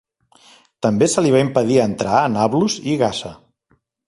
També se li va impedir entrar a Nablus i Gaza.